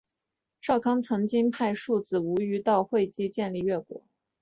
少康曾经派遣庶子无余到会稽建立越国。